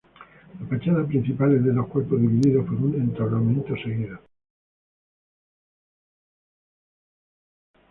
La fachada principal es de dos cuerpos divididos por un entablamento seguido.